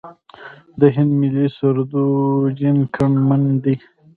د هند ملي سرود جن ګن من دی.